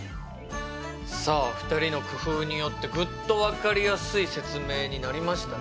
さあ２人の工夫によってぐっと分かりやすい説明になりましたね。